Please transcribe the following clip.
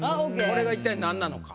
これが一体なんなのか。